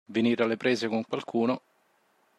Venire alle prese con qualcuno.